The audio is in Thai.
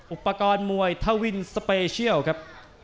อุปกรณ์มวยทวินสเปเชียลครับ